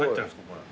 これ。